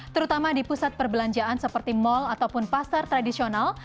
terutama di pusat perbelanjaan seperti mal ataupun pasar tradisional